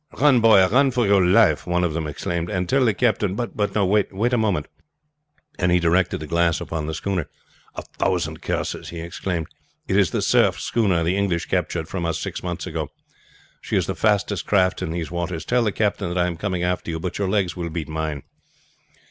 "Run, boy! run for your life!" one of them exclaimed, "and tell the captain. But no; wait a moment," and he directed the glass upon the schooner. "A thousand curses!" he exclaimed. "It is the Cerf schooner the English captured from us six months ago. She is the fastest craft in these waters. Tell the captain that I am coming after you, but your legs will beat mine."